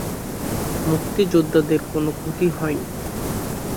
মুক্তিযোদ্ধাদের কোনো ক্ষতি হয়নি।